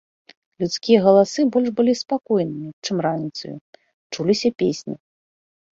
Людскія галасы больш былі спакойнымі, чым раніцаю, чуліся песні.